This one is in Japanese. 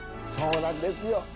「そうなんですよ。